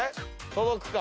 届くか？